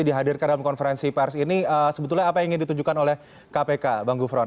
dihadirkan dalam konferensi pers ini sebetulnya apa yang ingin ditunjukkan oleh kpk bang gufron